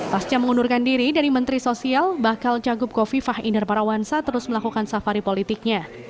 pasca mengundurkan diri dari menteri sosial bakal cagup kofifah inder parawansa terus melakukan safari politiknya